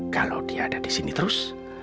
kalau dia ada di sini terus